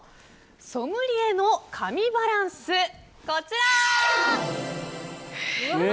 ソムリエの神バランスのこちら。